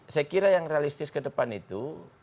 saya kira yang realistis ke depan itu